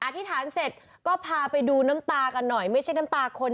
อธิษฐานเสร็จก็พาไปดูน้ำตากันหน่อยไม่ใช่น้ำตาคน